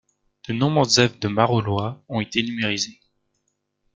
De nombreuses œuvres de Marolois ont été numérisées.